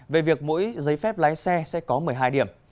về việc mỗi giấy phép lái xe sẽ có một mươi hai điểm